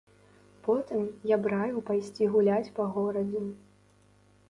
Потым я б раіў пайсці гуляць па горадзе.